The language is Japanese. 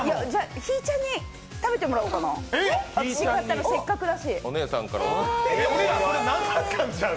ひぃちゃんに食べてもらおうかな、せっかくだし。